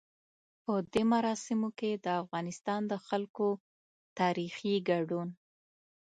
په دې مراسمو کې د افغانستان د خلکو تاريخي ګډون.